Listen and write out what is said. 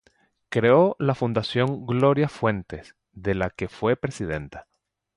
Creó la Fundación Gloria Fuertes, de la que fue presidenta.